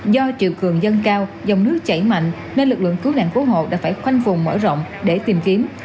do triệu cường dân cao dòng nước chảy mạnh nên lực lượng cứu nạn cứu hộ đã phải khoanh phùng mở rộng để tìm kiếm